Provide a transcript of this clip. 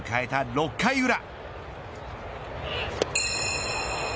６回裏。